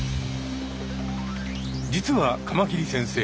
実はカマキリ先生